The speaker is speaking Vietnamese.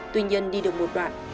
tuy nhiên đi được một đoạn